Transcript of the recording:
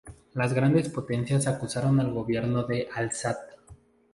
Las grandes potencias acusaron al gobierno de Al-Asad.